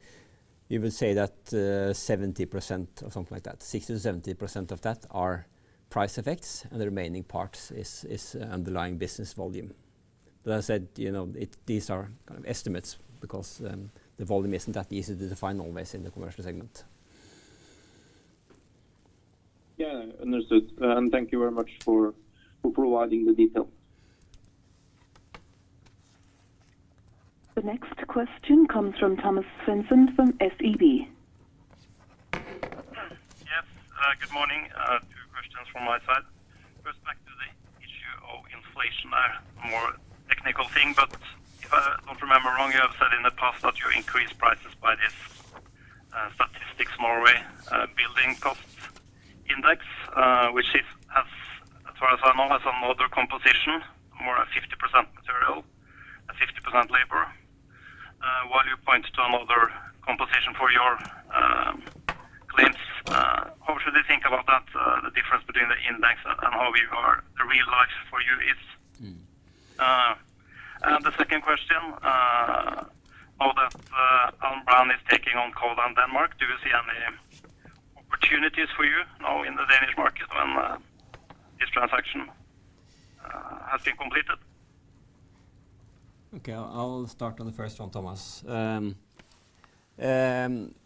Speaker 3: you would say that 70% or something like that, 60, 70% of that are price effects, and the remaining part is underlying business volume. As I said, these are estimates because the volume isn't that easy to define always in the commercial segment.
Speaker 8: Yeah. Understood. Thank you very much for providing the details.
Speaker 4: The next question comes from Thomas Svendsen from SEB.
Speaker 9: Yes. Good morning. Two questions from my side. First, back to the issue of inflation. A more technical thing, but if I don't remember wrong, you have said in the past that you increase prices by this Statistics Norway building cost index, which is, as far as I know, has some other composition, more 50% material and 50% labor. While you point to another composition for your claims, how should we think about that, the difference between the index and how the real life for you is? The second question, now that Alm. Brand is taking on Codan Denmark, do you see any opportunities for you now in the Danish market when this transaction has been completed?
Speaker 2: Okay. I'll start on the first one, Thomas.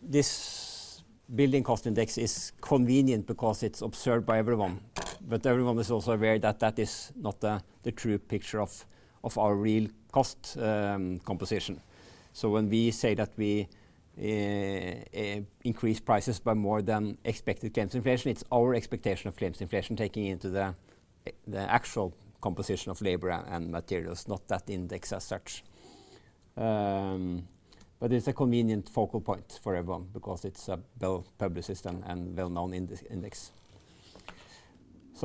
Speaker 2: This building cost index is convenient because it's observed by everyone, but everyone is also aware that that is not the true picture of our real cost composition. When we say that we increase prices by more than expected claims inflation, it's our expectation of claims inflation taking into the actual composition of labor and materials, not that index as such. It's a convenient focal point for everyone because it's a well-published and well-known index.
Speaker 3: If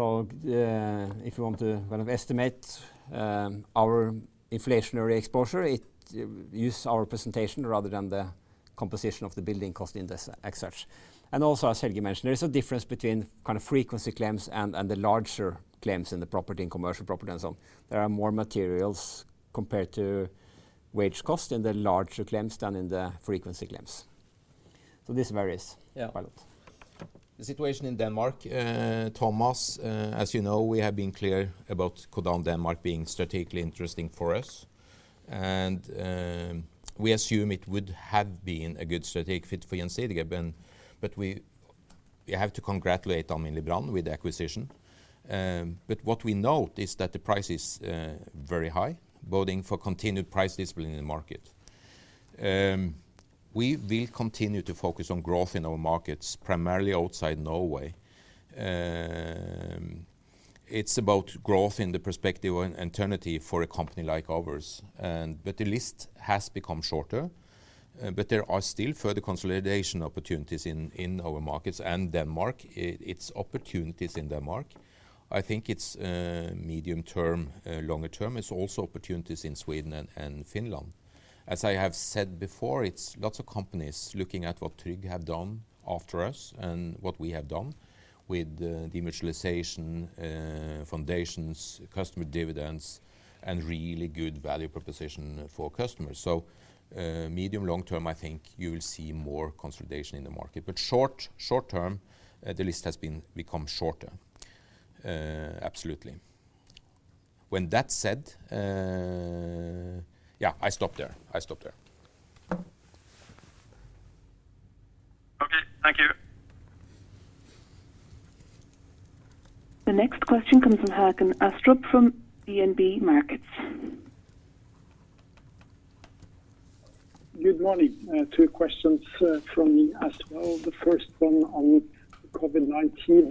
Speaker 3: you want to estimate our inflationary exposure, use our presentation rather than the composition of the building cost index, et cetera. Also, as Helge mentioned, there's a difference between frequency claims and the larger claims in the property and commercial property and so on. There are more materials compared to wage cost in the larger claims than in the frequency claims. This varies.
Speaker 9: Yeah.
Speaker 3: The situation in Denmark, Thomas, as you know, we have been clear about Codan Denmark being strategically interesting for us, and we assume it would have been a good strategic fit for Gjensidige, but we have to congratulate Alm. Brand with the acquisition. What we note is that the price is very high, boding for continued price discipline in the market. We continue to focus on growth in our markets, primarily outside Norway. It's about growth in the prospective and eternity for a company like ours. The list has become shorter, but there are still further consolidation opportunities in our markets and Denmark. It's opportunities in Denmark. I think it's medium term, longer term. It's also opportunities in Sweden and Finland. As I have said before, it's lots of companies looking at what Tryg have done after us and what we have done with demutualization, foundations, customer dividends and really good value proposition for customers. Medium long term, I think you will see more consolidation in the market, but short term, the list has become shorter. Absolutely. When that said Yeah, I stop there.
Speaker 10: Okay, thank you.
Speaker 4: The next question comes from Håkon Astrup from DNB Markets.
Speaker 10: Good morning. Two questions from me as well. The first one on COVID-19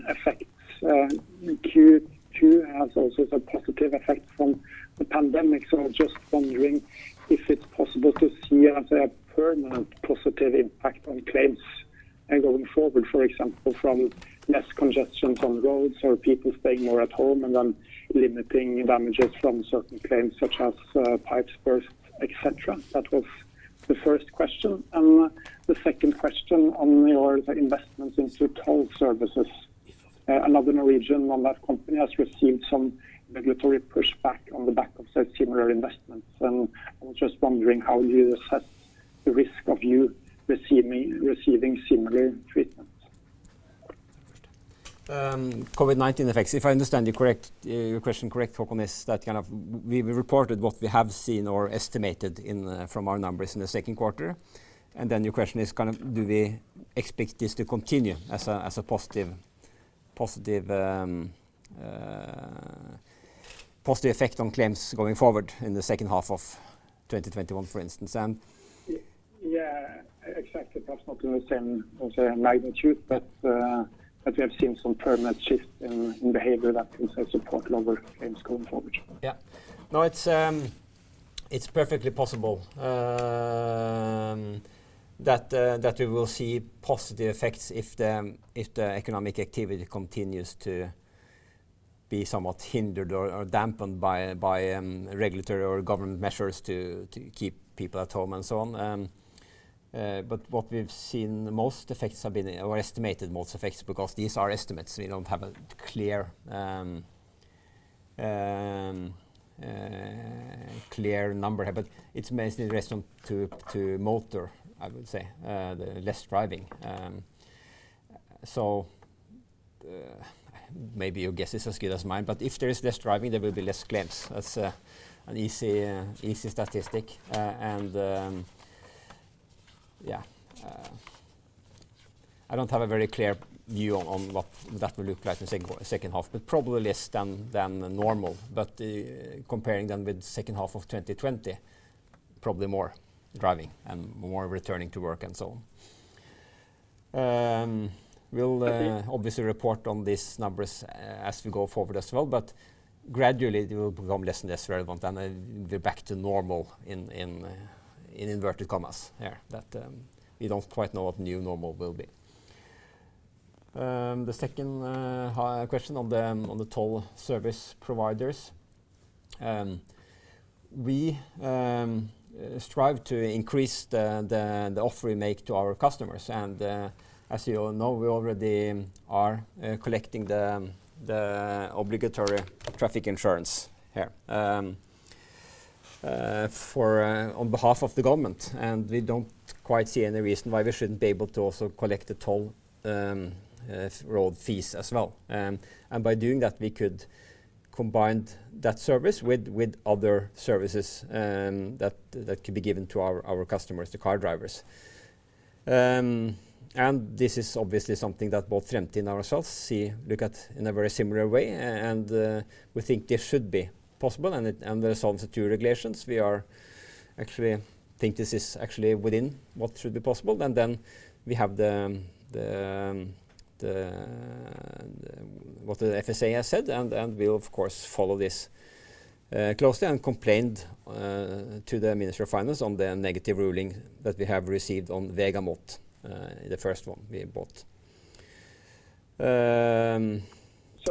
Speaker 10: effects. Q2 has also had positive effects from the pandemic. I was just wondering if it's possible to see it as a permanent positive impact on claims and going forward, for example, from less congestion from roads or people staying more at home and then limiting damages from certain claims such as pipe bursts, et cetera. That was the first question and the second question on your investments into toll services. Another Norwegian on that company has received some regulatory pushback on the back of said similar investments, and I was just wondering how you assess the risk of you receiving similar treatment.
Speaker 3: COVID-19 effects, if I understand your question correct, Håkon, is that we reported what we have seen or estimated from our numbers in the second quarter. Then your question is, do we expect this to continue as a positive effect on claims going forward in the second half of 2021, for instance.
Speaker 10: Yeah, exactly. Perhaps not to the same magnitude, have you seen some permanent shift in behavior that can have a support number for claims going forward?
Speaker 3: Yeah. No, it's perfectly possible that we will see positive effects if the economic activity continues to be somewhat hindered or dampened by regulatory or government measures to keep people at home and so on. What we've seen most effects have been, or estimated most effects, because these are estimates. We don't have a clear number, it's mostly in relation to motor, I would say, less driving. Maybe your guess is as good as mine, if there's less driving, there will be less claims. That's an easy statistic. Yeah, I don't have a very clear view on what that will look like the second half, probably less than normal. Comparing them with the second half of 2020, probably more driving and more returning to work and so on. We'll obviously report on these numbers as we go forward as well, but gradually they will become less and less relevant and be back to normal in inverted commas here, that we don't quite know what the new normal will be. The second question on the toll service providers, we strive to increase the offer we make to our customers. As you all know, we already are collecting the obligatory traffic insurance here on behalf of the government. We don't quite see any reason why we shouldn't be able to also collect the toll road fees as well. By doing that, we could combine that service with other services that could be given to our customers, the car drivers. This is obviously something that both Gjensidige and ourselves look at in a very similar way, and we think this should be possible, and there's also two regulations. We actually think this is actually within what should be possible. Then we have what the FSA has said. We'll of course follow this. Klausen complained to the Ministry of Finance on the negative ruling that we have received on Vegard Mott in the first one we bought.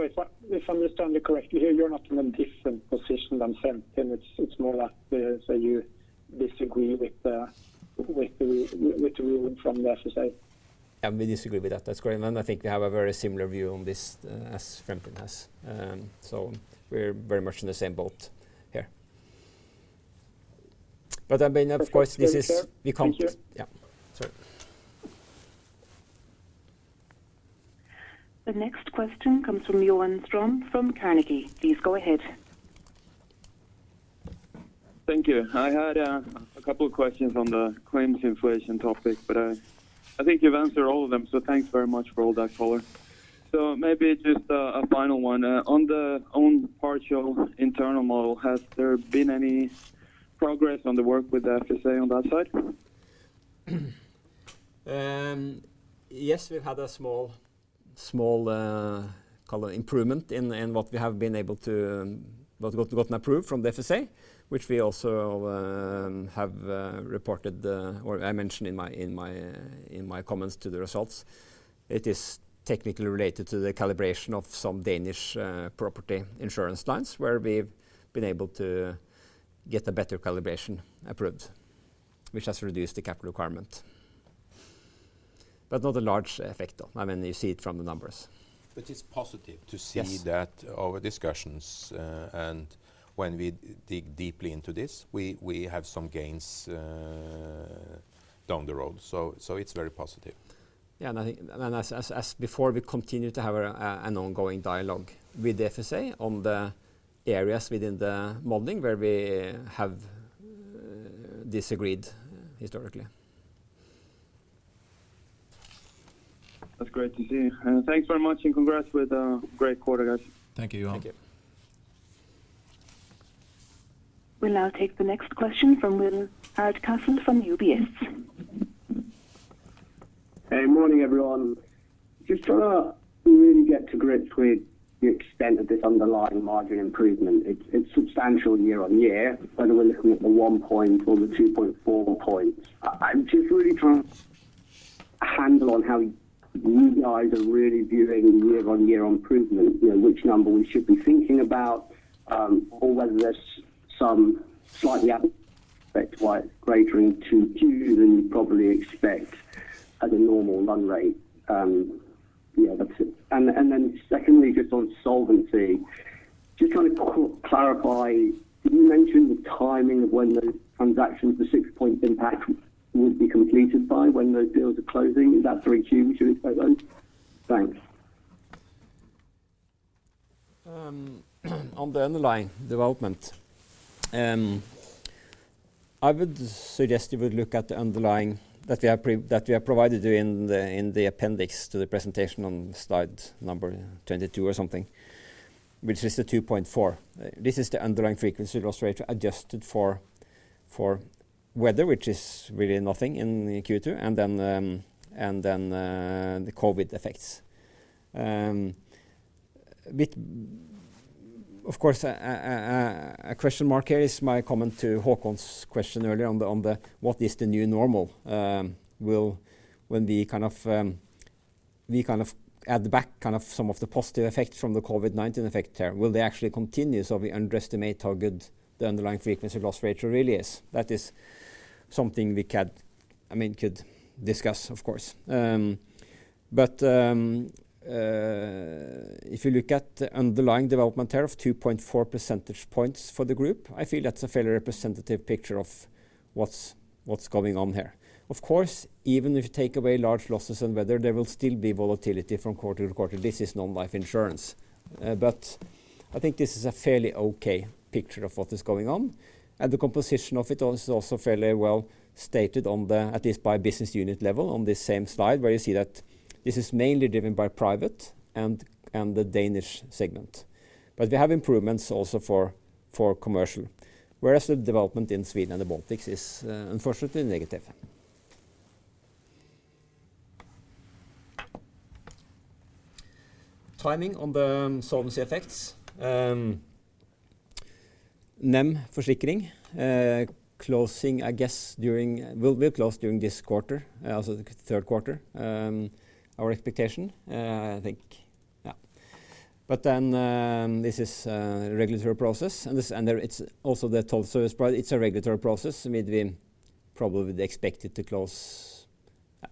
Speaker 10: If I understand it correctly here, you're not in a different position than Fremtind. It's more that you disagree with the ruling from the FSA.
Speaker 3: We disagree with that's correct. I think we have a very similar view on this as Fremtind has. We're very much in the same boat here. The next point is the count.
Speaker 10: Thank you, sir.
Speaker 4: The next question comes from Johan Ström from Carnegie. Please go ahead.
Speaker 11: Thank you. I had a couple questions on the claims inflation topic, but I think you've answered all of them, so thanks very much for all that, Pål. Maybe just a final one. On the own partial internal model, has there been any progress on the work with the FSA on that side?
Speaker 3: Yes, we've had a small improvement in what we have gotten approved from the FSA, which we also have reported, or I mentioned in my comments to the results. It is technically related to the calibration of some Danish property insurance lines, where we've been able to get a better calibration approved, which has reduced the capital requirement. Not a large effect. You see it from the numbers.
Speaker 11: It's positive to see that our discussions, and when we dig deeply into this, we have some gains down the road. It's very positive.
Speaker 3: As before, we continue to have an ongoing dialogue with the FSA on the areas within the modeling where we have disagreed historically.
Speaker 11: That's great to hear. Thanks very much, and congrats with a great quarter, guys.
Speaker 3: Thank you, Johan.
Speaker 4: We'll now take the next question from Will Hardcastle from UBS.
Speaker 12: Hey, morning, everyone. Just trying to really get to grips with the extent of this underlying margin improvement. It's substantial year-over-year, whether we're looking at the one point or the 2.4 points. I'm just really trying to get a handle on how you guys are really viewing year-over-year improvement. Which number we should be thinking about, or whether there's some slightly quite greater in Q2 than you probably expect at a normal run rate. Yeah, that's it. Secondly, just on solvency, just trying to clarify, did you mention the timing of when the transaction for 6 points impact will be completed by, when those deals are closing? Is that through Q2 as well then? Thanks.
Speaker 3: On the underlying development, I would suggest you would look at the underlying that we have provided you in the appendix to the presentation on slide 22 or something, which is the 2.4. This is the underlying frequency loss ratio adjusted for weather, which is really nothing in Q2, and then the COVID-19 effects. Of course, a question mark here is my comment to Håkon's question earlier on the what is the new normal? When we add back some of the positive effects from the COVID-19 effect here, will they actually continue, so we underestimate how good the underlying frequency loss ratio really is? That is something we could discuss, of course. If you look at the underlying development here of 2.4 percentage points for the group, I think that's a fairly representative picture of what's going on here. Of course, even if you take away large losses and weather, there will still be volatility from quarter to quarter. This is non-life insurance. I think this is a fairly okay picture of what is going on. The composition of it is also fairly well stated on the, at least by business unit level, on this same slide, where you see that this is mainly driven by private and the Danish segment. We have improvements also for commercial. Whereas the development in Sweden and the Baltics is unfortunately negative. Timing on the solvency effects. NEM Forsikring will be closed during this quarter, so the third quarter. Our expectation, I think. Yeah. This is a regulatory process, and it's also the toll service, but it's a regulatory process, so we probably would expect it to close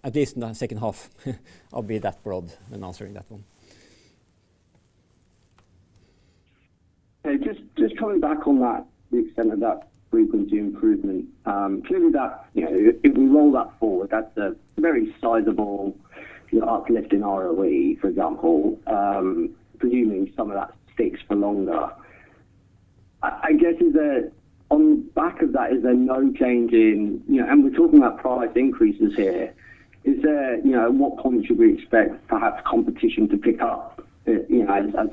Speaker 3: at least in the second half. I'll be that broad in answering that one.
Speaker 12: Okay, just coming back on that, the extent of that frequency improvement. Clearly, if we roll that forward, that's a very sizable uplift in ROE, for example. Presuming some of that sticks for longer, I guess on the back of that, we're talking about price increases here. At what point should we expect perhaps competition to pick up as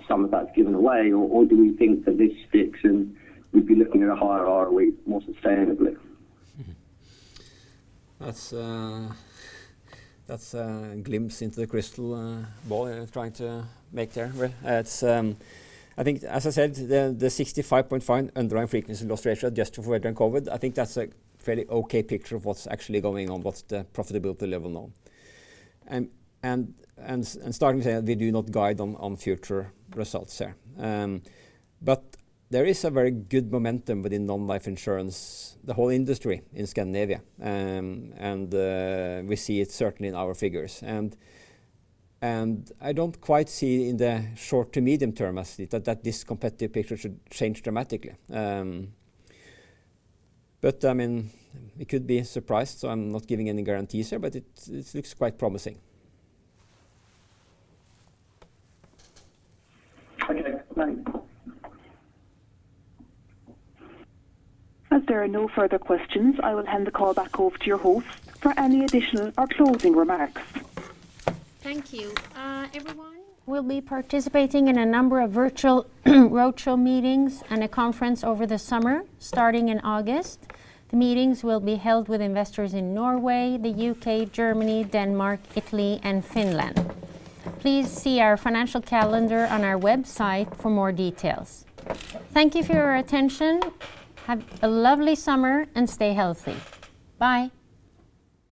Speaker 12: some of that's given away? Do we think that this sticks, and we'd be looking at a higher ROE more sustainably?
Speaker 3: That's a glimpse into the crystal ball I was trying to make there. I think, as I said, the 65.5 underlying frequency loss ratio adjusted for COVID, I think that's a fairly okay picture of what's actually going on, what's the profitability level now. Starting here, we do not guide on future results here. There is a very good momentum within non-life insurance, the whole industry in Scandinavia. We see it certainly in our figures. I don't quite see in the short to medium term, actually, that this competitive picture should change dramatically. We could be surprised, so I'm not giving any guarantees here, but it looks quite promising.
Speaker 4: Okay. If there are no further questions, I will hand the call back over to your host for any additional or closing remarks.
Speaker 1: Thank you. Everyone, we will be participating in a number of virtual road show meetings and a conference over the summer, starting in August. The meetings will be held with investors in Norway, the U.K., Germany, Denmark, Italy, and Finland. Please see our financial calendar on our website for more details. Thank you for your attention. Have a lovely summer, and stay healthy. Bye.